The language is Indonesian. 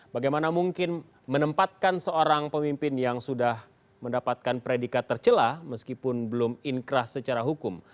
bagaimana mungkin menempatkan seorang pemimpin yang sudah mendapatkan predikat tercelah meskipun belum inkrah secara hukum